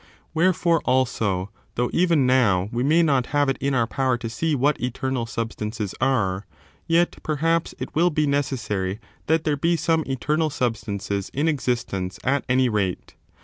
Wherefore, also, though even now we may not have it in our power to see what eternal substances are, yet, perhaps, it will be necessary that there be some eternal substances in existence, at any \^ rate.